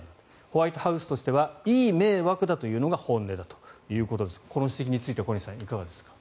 ホワイトハウスとしてはいい迷惑だというのが本音だということですがこの指摘については小西さんいかがでしょうか。